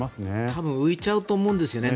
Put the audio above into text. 多分浮いちゃうと思うんですよね